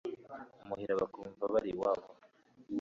imuhira bakumva bari iwabo